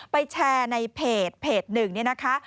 ไปแชร์ในเพจหนึ่งนะคะ